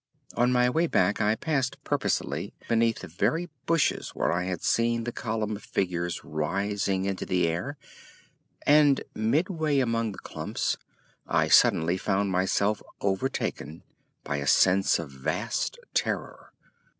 On my way back I passed purposely beneath the very bushes where I had seen the column of figures rising into the air, and midway among the clumps I suddenly found myself overtaken by a sense of vast terror.